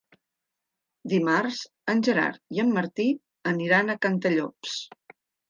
Dimarts en Gerard i en Martí aniran a Cantallops.